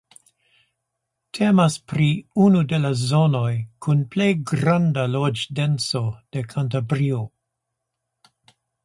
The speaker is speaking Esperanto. Temas pri unu de la zonoj kun plej granda loĝdenso de Kantabrio.